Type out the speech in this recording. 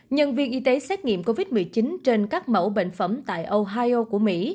nhân viên y tế xét nghiệm covid một mươi chín trên các mẫu bệnh phẩm tại ohio của mỹ